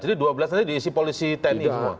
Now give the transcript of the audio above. dua belas jadi dua belas nanti diisi polisi teknik semua